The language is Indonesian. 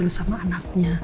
gitu sama anaknya